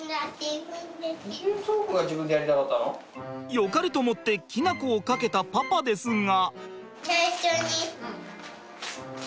よかれと思ってきな粉をかけたパパですが。